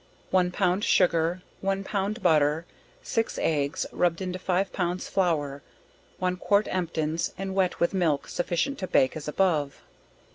One pound sugar, one pound butter, six eggs, rubbed into 5 pounds flour, one quart emptins and wet with milk, sufficient to bake, as above.